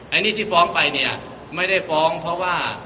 อันนี้ที่ฟ้องไปเนี่ยไม่ได้ฟ้องเพราะว่า